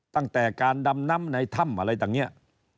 ตั้งแต่การดำน้ำในถ้ำอะไรต่างเนี่ย